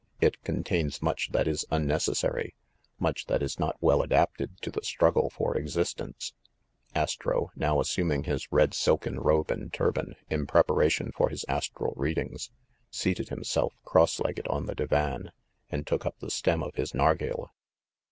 It contains much that is unnecessary, much that is not well adapted to the struggle for existence." Astro, now assuming his red silken robe and turban, 65 66 THE MASTER OF MYSTERIES in preparation for his astral readings, seated himself cross legged on the divan, and took up the stem of his narghile.